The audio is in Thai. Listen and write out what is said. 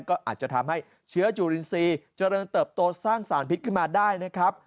ก็อาจจะทำให้เชื้อจุลินทรีย์เจริญเติบโตสร้างสารพิษขึ้นมาได้นะครับ